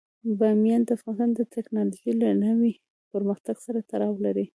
بامیان د افغانستان د تکنالوژۍ له نوي پرمختګ سره تړاو لري.